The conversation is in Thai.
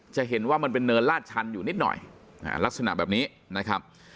จะเห็นว่ามันเป็นเนินลาดชันอยู่นิดหน่อยลักษณะแบบนี้นะครับ